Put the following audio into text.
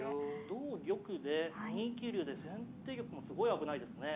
同玉で２九竜で先手玉もすごい危ないですね。